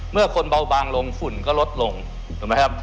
เมื่อคนเบาบางลงฝุ่นก็ลดลงถูกไหมครับ